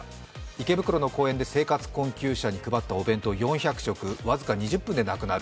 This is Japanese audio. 池袋の公園で生活困窮者に配ったお弁当が４００食、僅か２０分でなくなる。